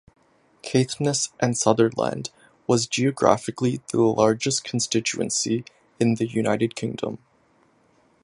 Caithness and Sutherland was geographically the largest constituency in the United Kingdom.